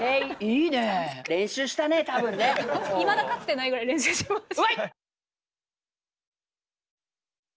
いまだかつてないぐらい練習しました。